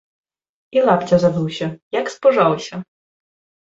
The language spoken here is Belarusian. І лапця забыўся, як спужаўся!